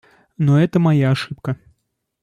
Но это моя ошибка.